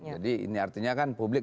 jadi ini artinya kan publik